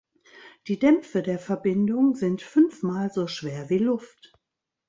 Die Dämpfe der Verbindung sind fünfmal so schwer wie Luft.